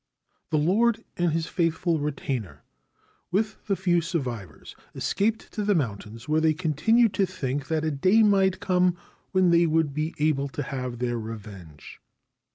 The lord and his faithful retainer, with the few survivors, escaped to the mountains, where they continued to think that a day might come when they would be able to have their revenge.